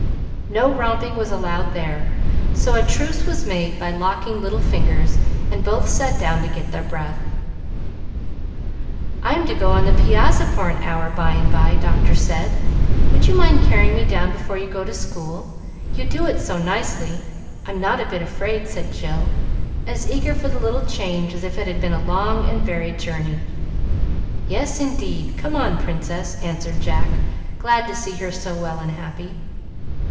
No romping was allowed there, so a truce was made by locking little fingers, and both sat down to get their breath. "I am to go on the piazza, for an hour, by and by, Doctor said. Would you mind carrying me down before you go to school, you do it so nicely, I'm not a bit afraid," said Jill, as eager for the little change as if it had been a long and varied journey. "Yes, indeed! Come on, Princess," answered Jack, glad to see her so well and happy.